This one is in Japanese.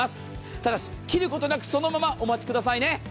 ただし、切ることなくそのままお待ちくださいね。